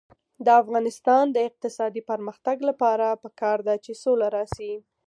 د افغانستان د اقتصادي پرمختګ لپاره پکار ده چې سوله راشي.